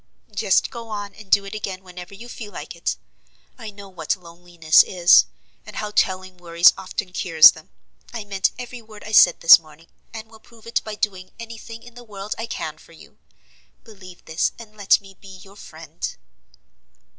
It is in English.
"Just go on, and do it again whenever you feel like it. I know what loneliness is, and how telling worries often cures them. I meant every word I said this morning, and will prove it by doing any thing in the world I can for you. Believe this, and let me be your friend."